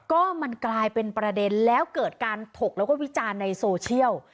ก็มันกลายเป็นประเด็นแล้วเกิดการถกแล้วก็วิจารณ์ในโซเชียล